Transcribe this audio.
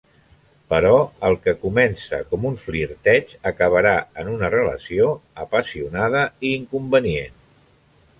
Però, el que comença com un flirteig acabarà en una relació apassionada i inconvenient.